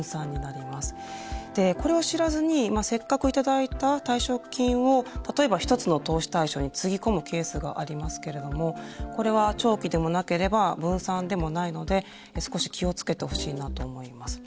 でこれを知らずにせっかく頂いた退職金を例えば１つの投資対象につぎ込むケースがありますけれどもこれは長期でもなければ分散でもないので少し気を付けてほしいなと思います。